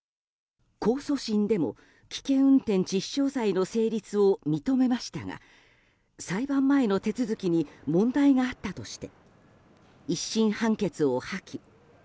控訴審でも危険運転致死傷罪の成立を認めましたが、裁判前の手続きに問題があったとして１審判決を破棄。